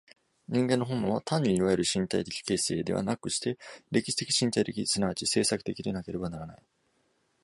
人間の本能は単にいわゆる身体的形成ではなくして、歴史的身体的即ち制作的でなければならない。